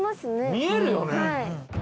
見えるよね。